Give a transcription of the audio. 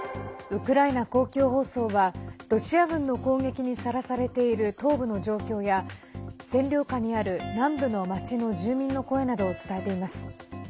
ウクライナ公共放送はロシア軍の攻撃にさらされている東部の状況や占領下にある南部の町の住民の声などを伝えています。